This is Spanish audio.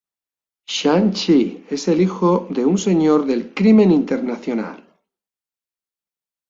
Shang-Chi es el hijo de un señor del crimen internacional.